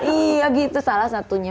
iya gitu salah satunya